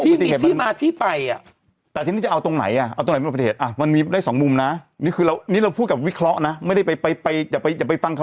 ที่มีที่มาที่ไปอ่ะแต่ทีนี้จะเอาตรงไหนอ่ะเอาตรงไหนเป็นอุบัติเหตุอ่ะมันมีได้สองมุมน่ะ